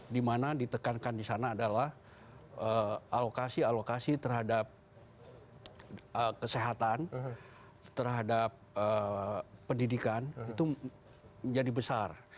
dimana ditekankan di sana adalah alokasi alokasi terhadap kesehatan terhadap pendidikan itu menjadi besar